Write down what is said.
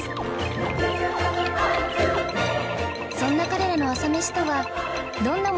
そんな彼らの朝メシとはどんなものなのでしょうか？